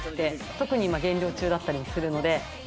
特に今減量中だったりもするので。